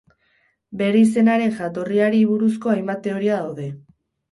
Bere izenaren jatorriari buruzko hainbat teoria daude.